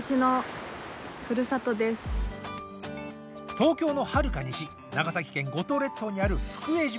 東京のはるか西長崎県五島列島にある福江島。